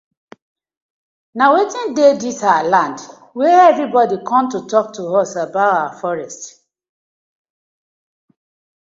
Na wetin dey dis our wey everi bodi com to tok to us abour our forest.